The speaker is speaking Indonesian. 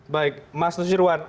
baik mas nusirwan